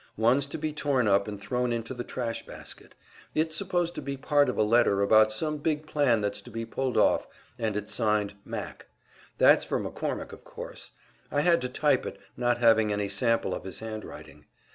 One's to be torn up and thrown into the trash basket. It's supposed to be part of a letter about some big plan that's to be pulled off, and it's signed `Mac.' That's for McCormick, of course. I had to type it, not having any sample of his handwriting.